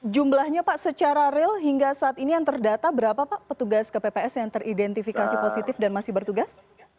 jumlahnya pak secara real hingga saat ini yang terdata berapa pak petugas kpps yang teridentifikasi positif dan masih bertugas